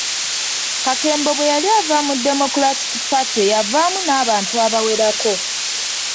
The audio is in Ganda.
Kakembo bwe yali ava mu Democratic Party yavaamu n'abantu abawerako.